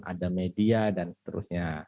ada media dan seterusnya